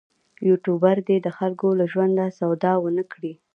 یوټوبر دې د خلکو له ژوند سودا ونه کړي.